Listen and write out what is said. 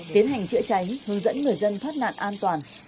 tiến hành chữa cháy hướng dẫn người dân thoát nạn an toàn